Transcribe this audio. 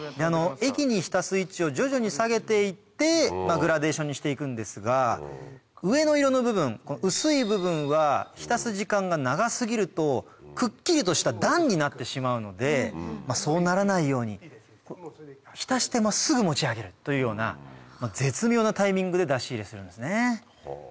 液に浸す位置を徐々に下げて行ってグラデーションにして行くんですが上の色の部分薄い部分は浸す時間が長過ぎるとくっきりとした段になってしまうのでそうならないように浸してすぐ持ち上げるというような絶妙なタイミングで出し入れするんですね。